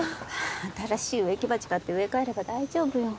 新しい植木鉢買って植え替えれば大丈夫よ。